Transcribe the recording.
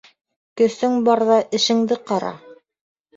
Көсөң барҙа эшеңде ҡара